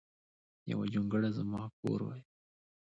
یو جونګړه ځما کور وای